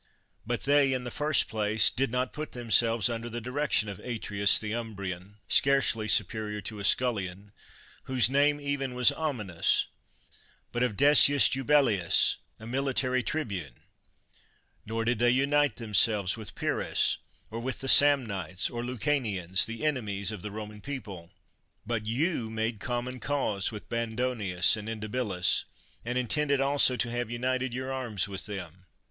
But they, in the first place, did not put themselves under the direc tion of Atrius llie Umbrian, scarcely superior to a scullion, whose name even was ominous, but of Decius Jubellius, a military tribune; nor did they unite themselves with Pyrrhus, or with the Samnites or Lucanians, the enemies of the Bo man people. But you made common cause with Mandonius and Indibilis, and intended also to have united your arms with them.